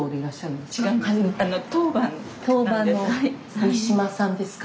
当番の三島さんですか。